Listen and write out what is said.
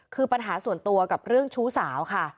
คือปัญหาส่วนตัวกับเรื่องชู้สาวค่ะ